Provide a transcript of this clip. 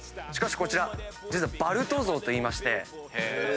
しかしこちらバルト像といいまして。